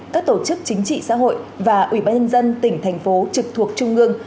các tổ chức chính trị xã hội và ủy ban nhân dân tỉnh thành phố trực thuộc trung ương